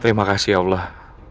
terima kasih allah